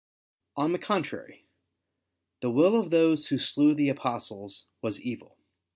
On the contrary, The will of those who slew the apostles was evil.